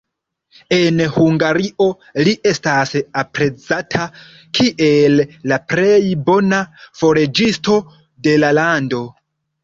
En Hungario li estas aprezata, kiel la plej bona forĝisto de la lando.